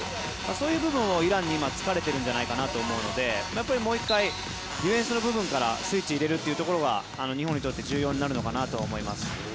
そういう部分をイランに突かれてるんじゃないかなと思うのでもう１回ディフェンスの部分からスイッチを入れることが日本にとって重要になるのかなと思います。